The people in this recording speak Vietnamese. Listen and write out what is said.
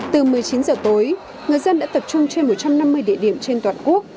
từ một mươi chín giờ tối người dân đã tập trung trên một trăm năm mươi địa phương